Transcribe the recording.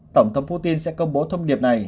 tổng thống putin sẽ công bố thông điệp này